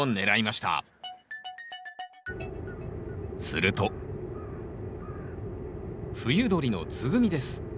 すると冬鳥のツグミです。